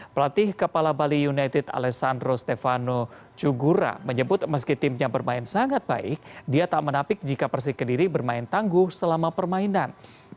pelatih kepala bali united alessandro stefano cugura menyebut meski timnya bermain sangat baik dia tak menapik jika persik kediri bermain tangguh selama permainan